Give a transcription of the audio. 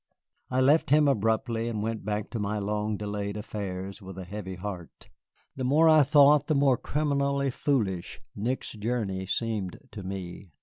I left him abruptly, and went back to my long delayed affairs with a heavy heart. The more I thought, the more criminally foolish Nick's journey seemed to me.